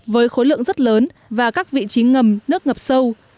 với khối lượng rất lớn và các vị trí ngầm nước ngập sâu